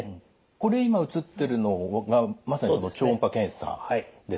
これ今映ってるのがまさに超音波検査ですか。